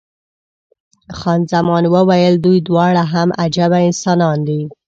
خان زمان وویل، دوی دواړه هم عجبه انسانان دي.